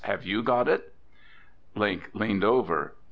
Have you got it?" Link leaned over.